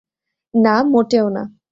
না, মোটেও না।